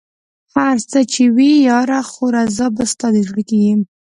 هر څه چې وي ياره خو رضا به ستا د زړه کېږي